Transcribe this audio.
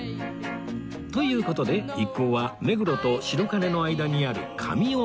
という事で一行は目黒と白金の間にある上大崎へ